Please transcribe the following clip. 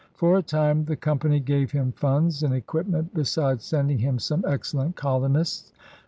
For a time the Company gave him funds and equipment besides sending him some excellent colonists.